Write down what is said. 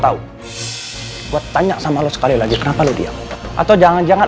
tahu buat tanya sama lo sekali lagi kenapa lo dia atau jangan jangan